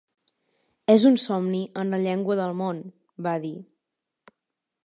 "És un somni en la llengua del món", va dir.